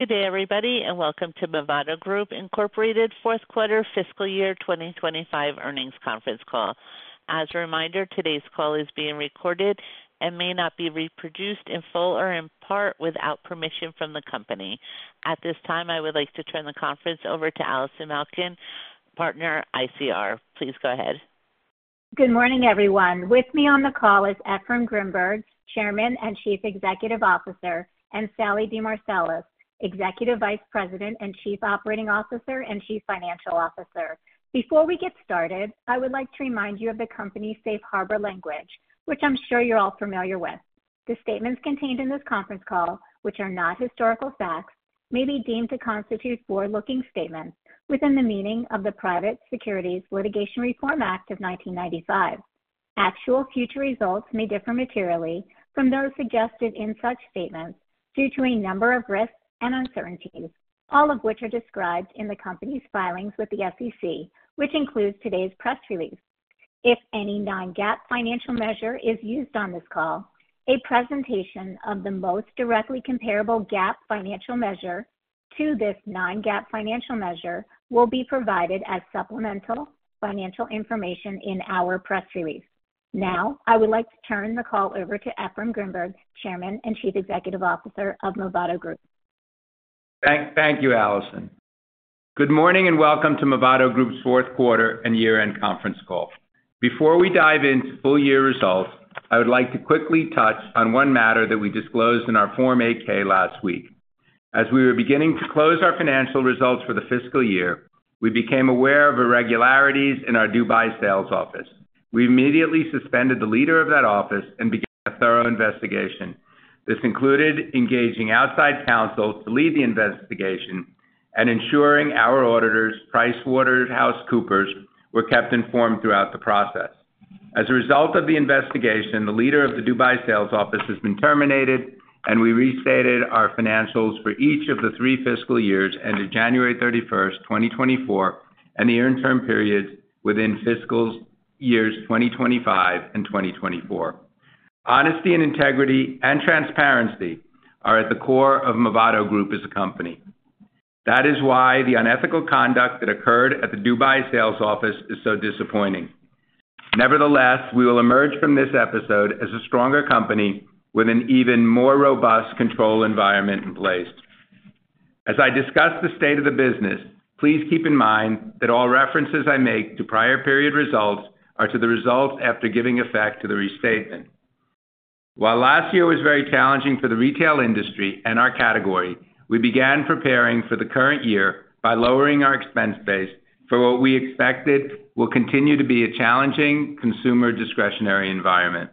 Good day, everybody, and welcome to Movado Group's Q4 fiscal year 2025 earnings conference call. As a reminder, today's call is being recorded and may not be reproduced in full or in part without permission from the company. At this time, I would like to turn the conference over to Allison Malkin, partner, ICR. Please go ahead. Good morning, everyone. With me on the call is Efraim Grinberg, Chairman and Chief Executive Officer, and Sallie DeMarsilis, Executive Vice President and Chief Operating Officer and Chief Financial Officer. Before we get started, I would like to remind you of the company's safe harbor language, which I'm sure you're all familiar with. The statements contained in this conference call, which are not historical facts, may be deemed to constitute forward-looking statements within the meaning of the Private Securities Litigation Reform Act of 1995. Actual future results may differ materially from those suggested in such statements due to a number of risks and uncertainties, all of which are described in the company's filings with the SEC, which includes today's press release. If any non-GAAP financial measure is used on this call, a presentation of the most directly comparable GAAP financial measure to this non-GAAP financial measure will be provided as supplemental financial information in our press release. Now, I would like to turn the call over to Efraim Grinberg, Chairman and Chief Executive Officer of Movado Group. Thank you, Allison. Good morning and welcome to Movado Group's Q4 and year-end conference call. Before we dive into full year results, I would like to quickly touch on one matter that we disclosed in our Form 8-K last week. As we were beginning to close our financial results for the fiscal year, we became aware of irregularities in our Dubai sales office. We immediately suspended the leader of that office and began a thorough investigation. This included engaging outside counsel to lead the investigation and ensuring our auditors, PricewaterhouseCoopers, were kept informed throughout the process. As a result of the investigation, the leader of the Dubai sales office has been terminated, and we restated our financials for each of the three fiscal years ended January 31, 2024, and the interim periods within fiscal years 2025 and 2024. Honesty and integrity and transparency are at the core of Movado Group as a company. That is why the unethical conduct that occurred at the Dubai sales office is so disappointing. Nevertheless, we will emerge from this episode as a stronger company with an even more robust control environment in place. As I discuss the state of the business, please keep in mind that all references I make to prior period results are to the results after giving effect to the restatement. While last year was very challenging for the retail industry and our category, we began preparing for the current year by lowering our expense base for what we expected will continue to be a challenging consumer discretionary environment.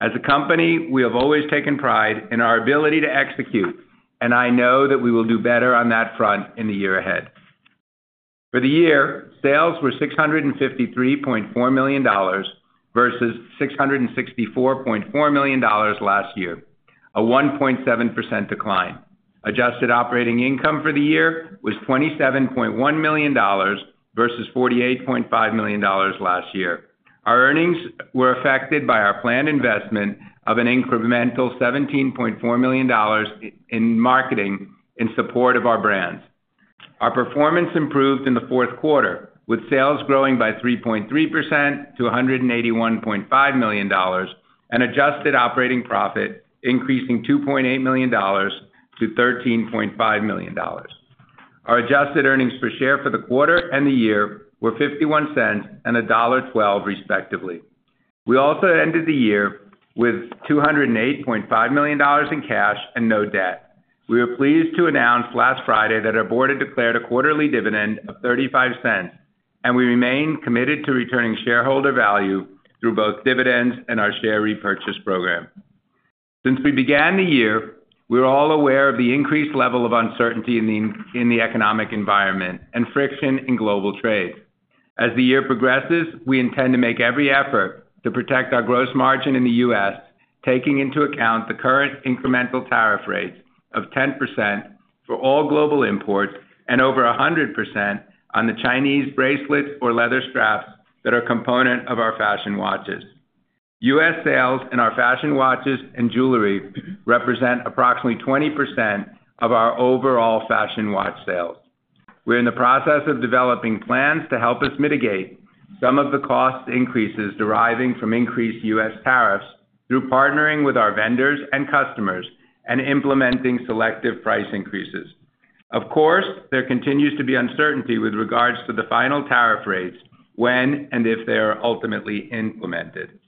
As a company, we have always taken pride in our ability to execute, and I know that we will do better on that front in the year ahead. For the year, sales were $653.4 million versus $664.4 million last year, a 1.7% decline. Adjusted operating income for the year was $27.1 million versus $48.5 million last year. Our earnings were affected by our planned investment of an incremental $17.4 million in marketing in support of our brands. Our performance improved in the Q4, with sales growing by 3.3% to $181.5 million and adjusted operating profit increasing $2.8 million to $13.5 million. Our adjusted earnings per share for the quarter and the year were $0.51 and $1.12, respectively. We also ended the year with $208.5 million in cash and no debt. We were pleased to announce last Friday that our board had declared a quarterly dividend of $0.35, and we remain committed to returning shareholder value through both dividends and our share repurchase program. Since we began the year, we are all aware of the increased level of uncertainty in the economic environment and friction in global trade. As the year progresses, we intend to make every effort to protect our gross margin in the US, taking into account the current incremental tariff rates of 10% for all global imports and over 100% on the Chinese bracelets or leather straps that are a component of our fashion watches. US sales in our fashion watches and jewelry represent approximately 20% of our overall fashion watch sales. We're in the process of developing plans to help us mitigate some of the cost increases deriving from increased US tariffs through partnering with our vendors and customers and implementing selective price increases. Of course, there continues to be uncertainty with regards to the final tariff rates when and if they are ultimately implemented.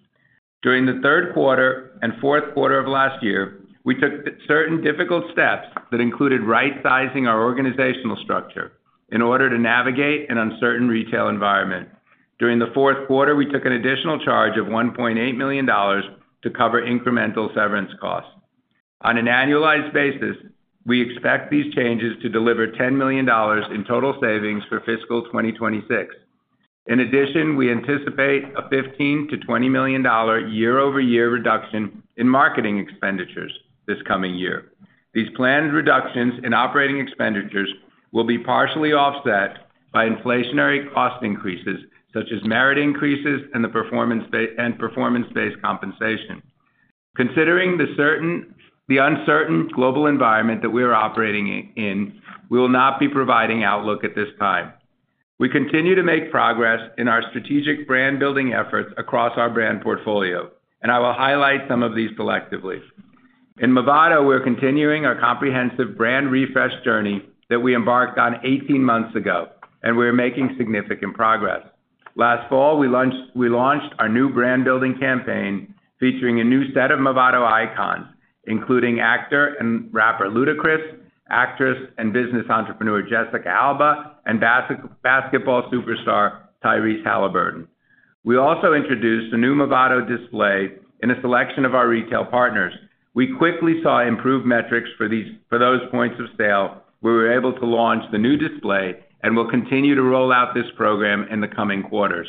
During the Q3 and Q4 of last year, we took certain difficult steps that included right-sizing our organizational structure in order to navigate an uncertain retail environment. During the Q4, we took an additional charge of $1.8 million to cover incremental severance costs. On an annualized basis, we expect these changes to deliver $10 million in total savings for fiscal 2026. In addition, we anticipate a $15-$20 million year-over-year reduction in marketing expenditures this coming year. These planned reductions in operating expenditures will be partially offset by inflationary cost increases, such as merit increases and performance-based compensation. Considering the uncertain global environment that we are operating in, we will not be providing outlook at this time. We continue to make progress in our strategic brand-building efforts across our brand portfolio, and I will highlight some of these selectively. In Movado, we're continuing our comprehensive brand refresh journey that we embarked on 18 months ago, and we are making significant progress. Last fall, we launched our new brand-building campaign featuring a new set of Movado icons, including actor and rapper Ludacris, actress and business entrepreneur Jessica Alba, and basketball superstar Tyrese Haliburton. We also introduced a new Movado display in a selection of our retail partners. We quickly saw improved metrics for those points of sale, where we were able to launch the new display and will continue to roll out this program in the coming quarters.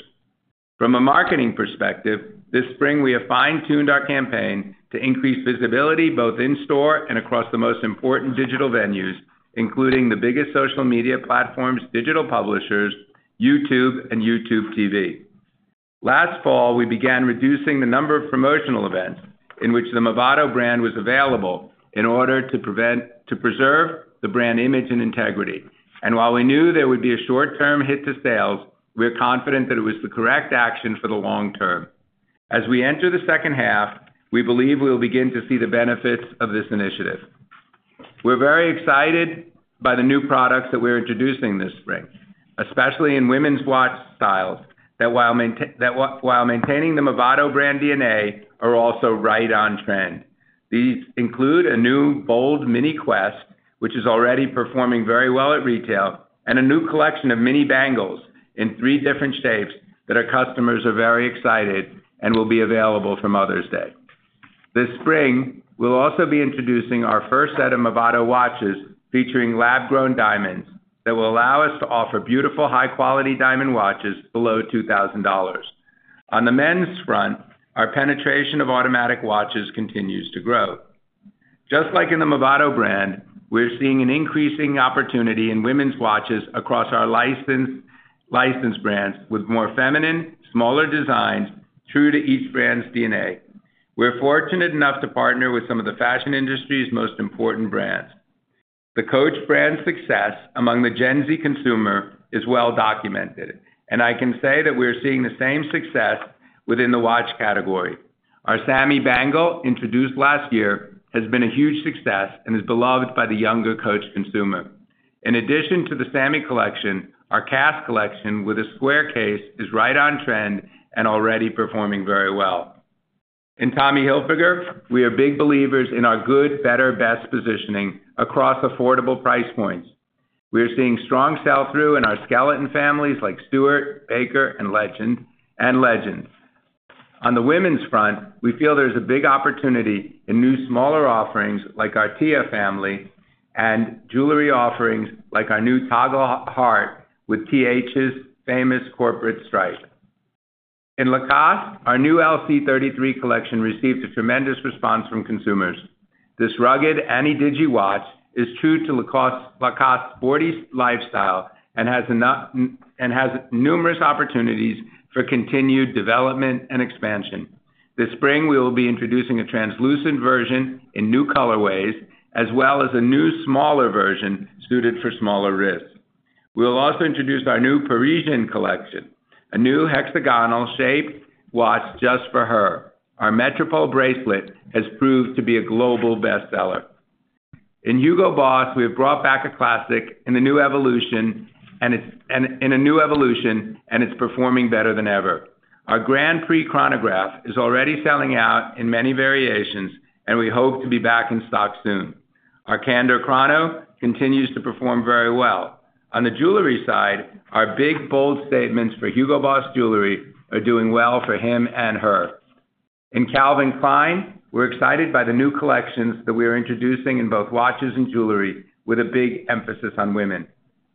From a marketing perspective, this spring, we have fine-tuned our campaign to increase visibility both in-store and across the most important digital venues, including the biggest social media platforms, digital publishers, YouTube, and YouTube TV. Last fall, we began reducing the number of promotional events in which the Movado brand was available in order to preserve the brand image and integrity. While we knew there would be a short-term hit to sales, we are confident that it was the correct action for the long term. As we enter the H2, we believe we will begin to see the benefits of this initiative. We're very excited by the new products that we're introducing this spring, especially in women's watch styles that, while maintaining the Movado brand DNA, are also right on trend. These include a new bold Mini Quest, which is already performing very well at retail, and a new collection of mini bangles in three different shapes that our customers are very excited and will be available from Mother's Day. This spring, we'll also be introducing our first set of Movado watches featuring lab-grown diamonds that will allow us to offer beautiful, high-quality diamond watches below $2,000. On the men's front, our penetration of automatic watches continues to grow. Just like in the Movado brand, we're seeing an increasing opportunity in women's watches across our licensed brands with more feminine, smaller designs true to each brand's DNA. We're fortunate enough to partner with some of the fashion industry's most important brands. The Coach brand's success among the Gen Z consumer is well documented, and I can say that we're seeing the same success within the watch category. Our Sammy bangle, introduced last year, has been a huge success and is beloved by the younger Coach consumer. In addition to the Sammy collection, our Cass collection with a square case is right on trend and already performing very well. In Tommy Hilfiger, we are big believers in our good, better, best positioning across affordable price points. We are seeing strong sell-through in our skeleton families like Stewart, Baker, and Legend. On the women's front, we feel there's a big opportunity in new smaller offerings like our Tia family and jewelry offerings like our new Toggle Heart with TH's famous corporate stripe. In Lacoste, our new LC33 collection received a tremendous response from consumers. This rugged Ana-Digi watch is true to Lacoste's sporty lifestyle and has numerous opportunities for continued development and expansion. This spring, we will be introducing a translucent version in new colorways, as well as a new smaller version suited for smaller wrists. We will also introduce our new Parisienne collection, a new hexagonal-shaped watch just for her. Our Metropole bracelet has proved to be a global bestseller. In Hugo Boss, we have brought back a classic in a new evolution, and it's performing better than ever. Our Grand Prix Chronograph is already selling out in many variations, and we hope to be back in stock soon. Our Candor Chrono continues to perform very well. On the jewelry side, our big, bold statements for Hugo Boss jewelry are doing well for him and her. In Calvin Klein, we're excited by the new collections that we are introducing in both watches and jewelry, with a big emphasis on women.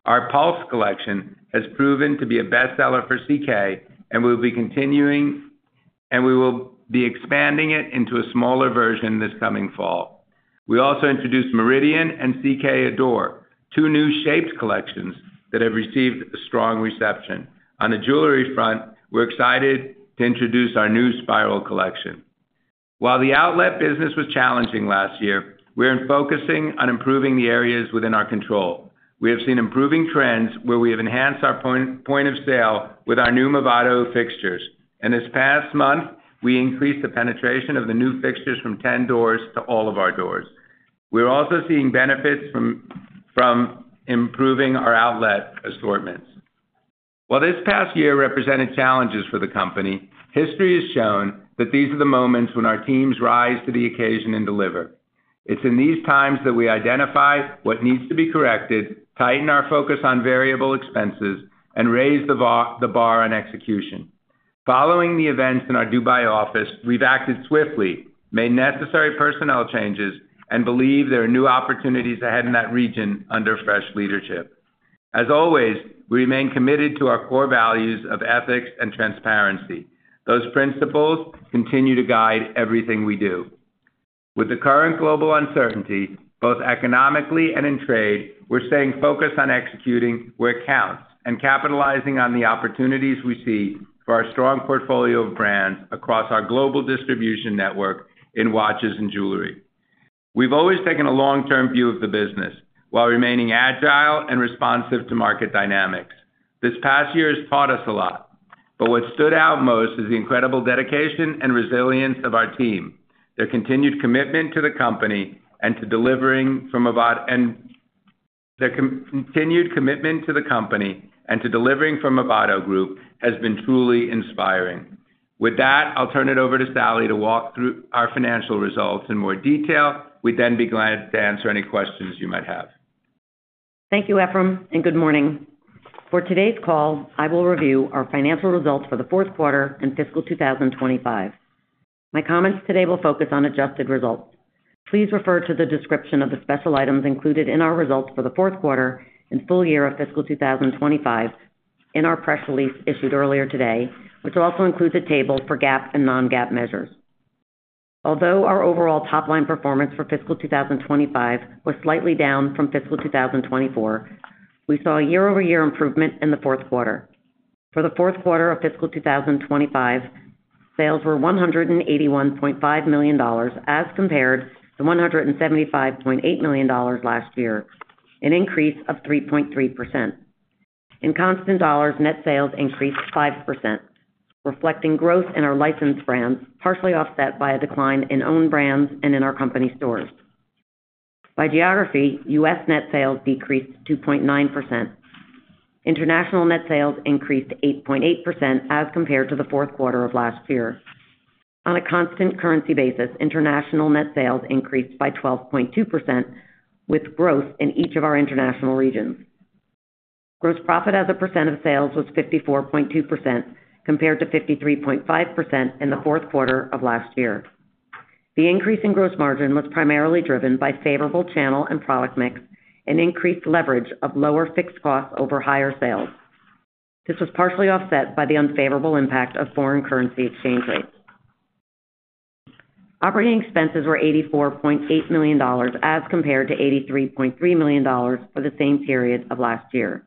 Our Pulse collection has proven to be a bestseller for CK, and we will be expanding it into a smaller version this coming fall. We also introduced Meridian and CK Adore, two new shaped collections that have received a strong reception. On the jewelry front, we're excited to introduce our new Spiral collection. While the outlet business was challenging last year, we're focusing on improving the areas within our control. We have seen improving trends where we have enhanced our point of sale with our new Movado fixtures. This past month, we increased the penetration of the new fixtures from 10 doors to all of our doors. We're also seeing benefits from improving our outlet assortments. While this past year represented challenges for the company, history has shown that these are the moments when our teams rise to the occasion and deliver. It's in these times that we identify what needs to be corrected, tighten our focus on variable expenses, and raise the bar on execution. Following the events in our Dubai office, we've acted swiftly, made necessary personnel changes, and believe there are new opportunities ahead in that region under fresh leadership. As always, we remain committed to our core values of ethics and transparency. Those principles continue to guide everything we do. With the current global uncertainty, both economically and in trade, we're staying focused on executing where it counts and capitalizing on the opportunities we see for our strong portfolio of brands across our global distribution network in watches and jewelry. We've always taken a long-term view of the business while remaining agile and responsive to market dynamics. This past year has taught us a lot, but what stood out most is the incredible dedication and resilience of our team. Their continued commitment to the company and to delivering from Movado Group has been truly inspiring. With that, I'll turn it over to Sallie to walk through our financial results in more detail. We'd then be glad to answer any questions you might have. Thank you, Efraim, and good morning. For today's call, I will review our financial results for the Q4 and fiscal 2025. My comments today will focus on adjusted results. Please refer to the description of the special items included in our results for the Q4 and full year of fiscal 2025 in our press release issued earlier today, which also includes a table for GAAP and non-GAAP measures. Although our overall top-line performance for fiscal 2025 was slightly down from fiscal 2024, we saw a year-over-year improvement in the Q4. For the Q4 of fiscal 2025, sales were $181.5 million as compared to $175.8 million last year, an increase of 3.3%. In constant dollars, net sales increased 5%, reflecting growth in our licensed brands, partially offset by a decline in own brands and in our company stores. By geography, US net sales decreased 2.9%. International net sales increased 8.8% as compared to the Q4 of last year. On a constant currency basis, international net sales increased by 12.2%, with growth in each of our international regions. Gross profit as a percent of sales was 54.2%, compared to 53.5% in the Q4 of last year. The increase in gross margin was primarily driven by favorable channel and product mix and increased leverage of lower fixed costs over higher sales. This was partially offset by the unfavorable impact of foreign currency exchange rates. Operating expenses were $84.8 million as compared to $83.3 million for the same period of last year.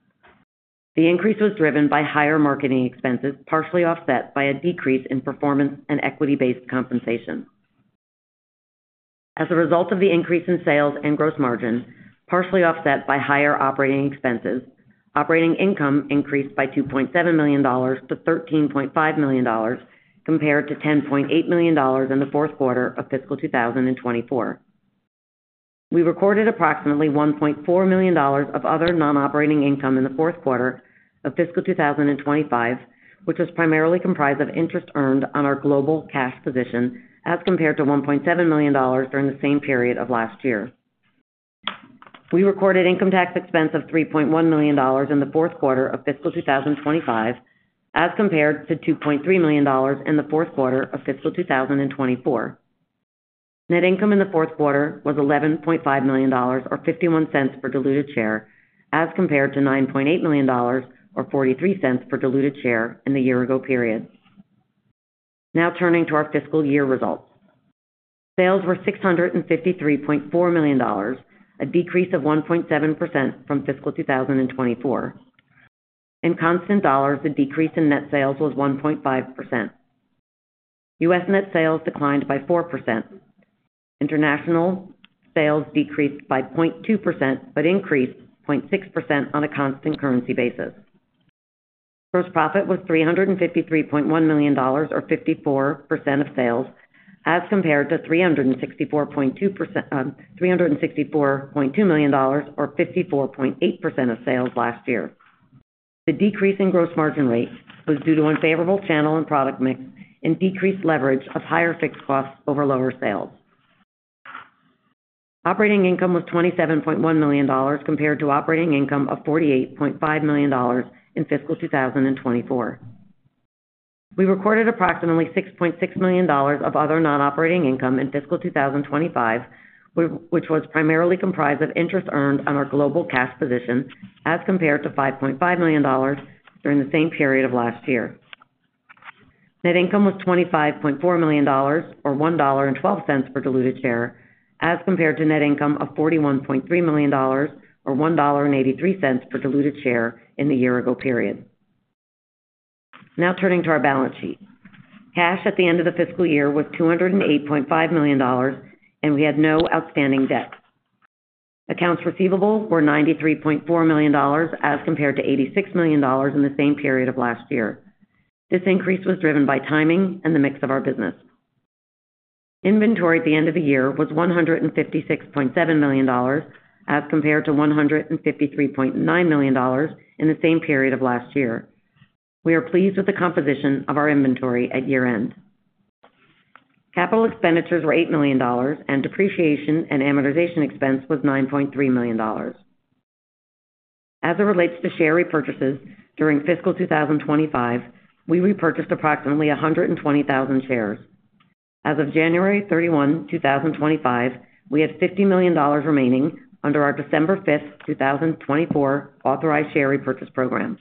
The increase was driven by higher marketing expenses, partially offset by a decrease in performance and equity-based compensation. As a result of the increase in sales and gross margin, partially offset by higher operating expenses, operating income increased by $2.7 million to $13.5 million compared to $10.8 million in the Q4 of fiscal 2024. We recorded approximately $1.4 million of other non-operating income in the Q4 of fiscal 2025, which was primarily comprised of interest earned on our global cash position as compared to $1.7 million during the same period of last year. We recorded income tax expense of $3.1 million in the Q4 of fiscal 2025 as compared to $2.3 million in the Q4 of fiscal 2024. Net income in the Q4 was $11.5 million, or $0.51 per diluted share, as compared to $9.8 million, or $0.43 per diluted share in the year-ago period. Now turning to our fiscal year results. Sales were $653.4 million, a decrease of 1.7% from fiscal 2024. In constant dollars, the decrease in net sales was 1.5%. US net sales declined by 4%. International sales decreased by 0.2% but increased 0.6% on a constant currency basis. Gross profit was $353.1 million, or 54% of sales, as compared to $364.2 million or 54.8% of sales last year. The decrease in gross margin rate was due to unfavorable channel and product mix and decreased leverage of higher fixed costs over lower sales. Operating income was $27.1 million compared to operating income of $48.5 million in fiscal 2024. We recorded approximately $6.6 million of other non-operating income in fiscal 2025, which was primarily comprised of interest earned on our global cash position as compared to $5.5 million during the same period of last year. Net income was $25.4 million, or $1.12 per diluted share, as compared to net income of $41.3 million, or $1.83 per diluted share in the year-ago period. Now turning to our balance sheet. Cash at the end of the fiscal year was $208.5 million, and we had no outstanding debt. Accounts receivable were $93.4 million as compared to $86 million in the same period of last year. This increase was driven by timing and the mix of our business. Inventory at the end of the year was $156.7 million as compared to $153.9 million in the same period of last year. We are pleased with the composition of our inventory at year-end. Capital expenditures were $8 million, and depreciation and amortization expense was $9.3 million. As it relates to share repurchases during fiscal 2025, we repurchased approximately 120,000 shares. As of January 31, 2025, we had $50 million remaining under our December 5, 2024, authorized share repurchase program.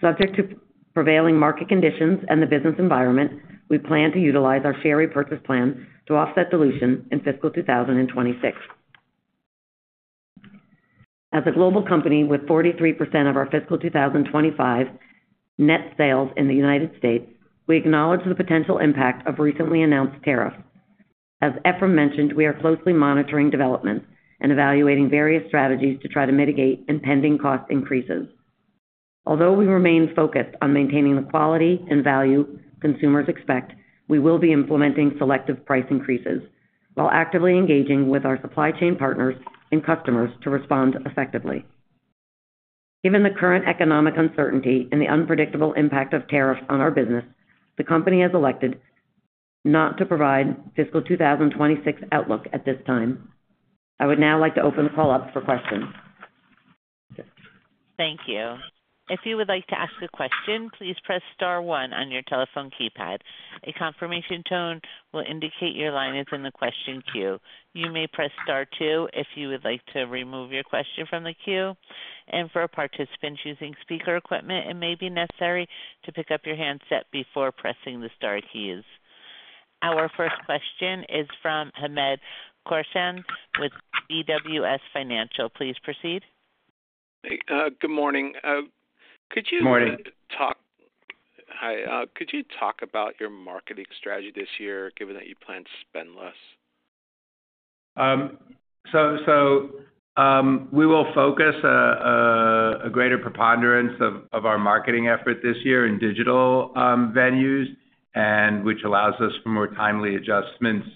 Subject to prevailing market conditions and the business environment, we plan to utilize our share repurchase plan to offset dilution in fiscal 2026. As a global company with 43% of our fiscal 2025 net sales in the United States, we acknowledge the potential impact of recently announced tariffs. As Efraim mentioned, we are closely monitoring developments and evaluating various strategies to try to mitigate impending cost increases. Although we remain focused on maintaining the quality and value consumers expect, we will be implementing selective price increases while actively engaging with our supply chain partners and customers to respond effectively. Given the current economic uncertainty and the unpredictable impact of tariffs on our business, the company has elected not to provide fiscal 2026 outlook at this time. I would now like to open the call up for questions. Thank you. If you would like to ask a question, please press Star 1 on your telephone keypad. A confirmation tone will indicate your line is in the question queue. You may press Star 2 if you would like to remove your question from the queue. For participants using speaker equipment, it may be necessary to pick up your handset before pressing the Star keys. Our first question is from Hamed Khorsand with BWS Financial. Please proceed. Good morning. Could you talk about your marketing strategy this year, given that you plan to spend less? We will focus a greater preponderance of our marketing effort this year in digital venues, which allows us for more timely adjustments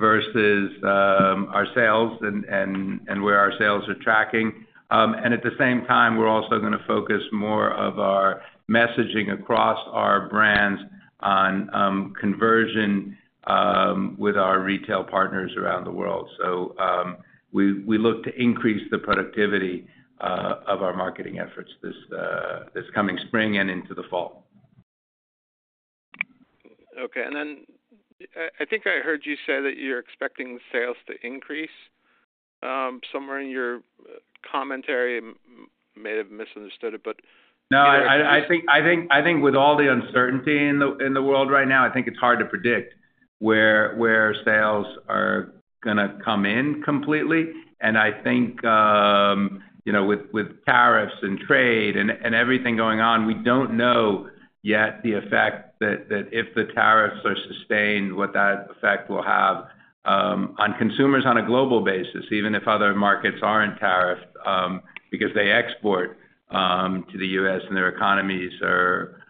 versus our sales and where our sales are tracking. At the same time, we're also going to focus more of our messaging across our brands on conversion with our retail partners around the world. We look to increase the productivity of our marketing efforts this coming spring and into the fall. Okay. I think I heard you say that you're expecting sales to increase. Somewhere in your commentary, I may have misunderstood it, but. No, I think with all the uncertainty in the world right now, I think it's hard to predict where sales are going to come in completely. I think with tariffs and trade and everything going on, we don't know yet the effect that if the tariffs are sustained, what that effect will have on consumers on a global basis, even if other markets aren't tariffed because they export to the US and their economies are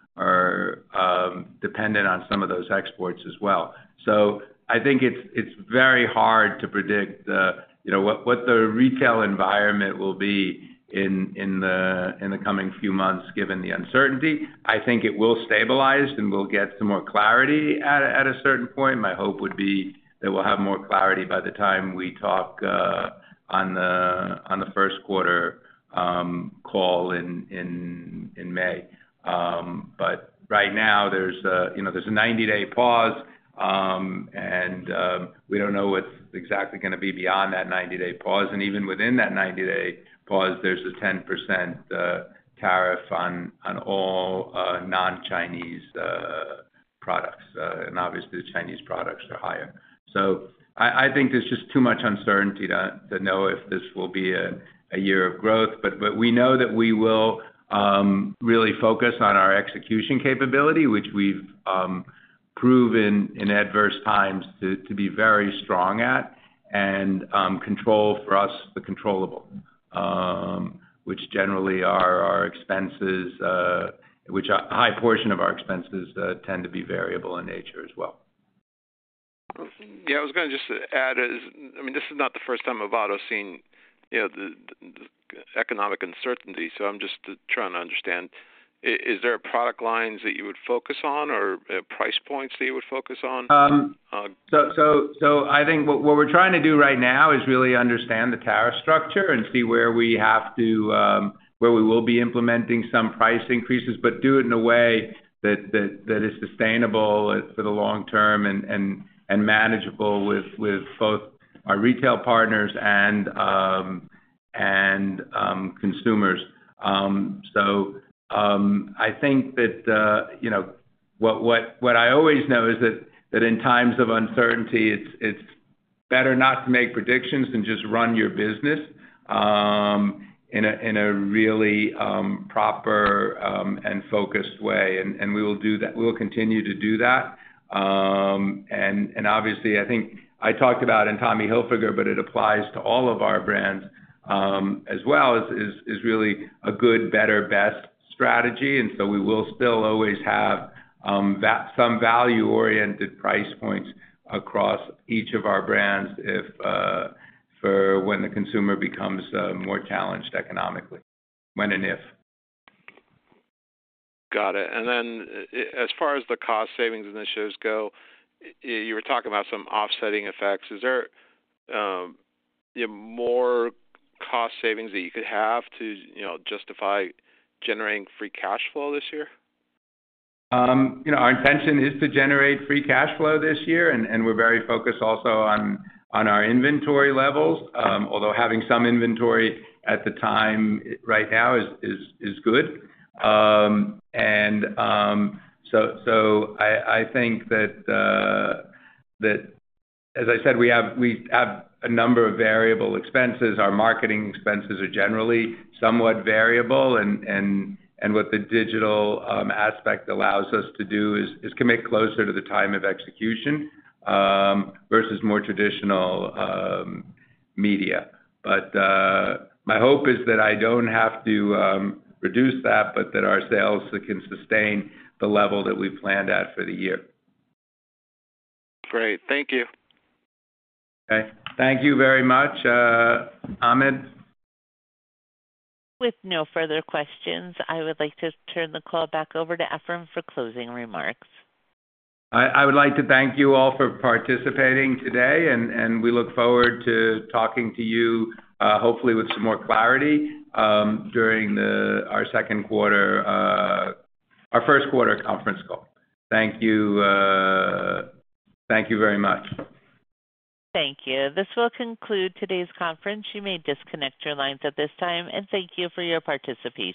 dependent on some of those exports as well. I think it's very hard to predict what the retail environment will be in the coming few months, given the uncertainty. I think it will stabilize and we'll get some more clarity at a certain point. My hope would be that we'll have more clarity by the time we talk on the Q1 call in May. Right now, there's a 90-day pause, and we do not know what's exactly going to be beyond that 90-day pause. Even within that 90-day pause, there's a 10% tariff on all non-Chinese products. Obviously, the Chinese products are higher. I think there's just too much uncertainty to know if this will be a year of growth. We know that we will really focus on our execution capability, which we've proven in adverse times to be very strong at, and control for us the controllable, which generally are our expenses, which a high portion of our expenses tend to be variable in nature as well. Yeah, I was going to just add, I mean, this is not the first time Movado's seen economic uncertainty. I am just trying to understand. Is there product lines that you would focus on or price points that you would focus on? I think what we're trying to do right now is really understand the tariff structure and see where we have to, where we will be implementing some price increases, but do it in a way that is sustainable for the long term and manageable with both our retail partners and consumers. I think that what I always know is that in times of uncertainty, it's better not to make predictions than just run your business in a really proper and focused way. We will continue to do that. Obviously, I think I talked about in Tommy Hilfiger, but it applies to all of our brands as well, is really a good, better, best strategy. We will still always have some value-oriented price points across each of our brands for when the consumer becomes more challenged economically, when and if. Got it. As far as the cost savings initiatives go, you were talking about some offsetting effects. Is there more cost savings that you could have to justify generating free cash flow this year? Our intention is to generate free cash flow this year, and we're very focused also on our inventory levels, although having some inventory at the time right now is good. I think that, as I said, we have a number of variable expenses. Our marketing expenses are generally somewhat variable. What the digital aspect allows us to do is commit closer to the time of execution versus more traditional media. My hope is that I don't have to reduce that, but that our sales can sustain the level that we've planned at for the year. Great. Thank you. Okay. Thank you very much, Hamed. With no further questions, I would like to turn the call back over to Efraim for closing remarks. I would like to thank you all for participating today, and we look forward to talking to you, hopefully with some more clarity during our Q2, our Q1 conference call. Thank you very much. Thank you. This will conclude today's conference. You may disconnect your lines at this time. Thank you for your participation.